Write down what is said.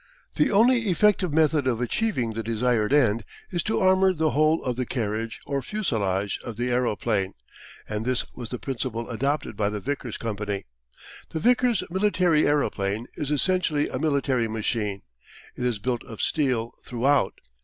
The only effective method of achieving the desired end is to armour the whole of the carriage or fuselage of the adroplane, and this was the principle adopted by the Vickers Company. The Vickers military aeroplane is essentially a military machine. It is built of steel throughout.